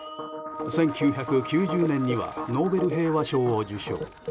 １９９０年にはノーベル平和賞を受賞。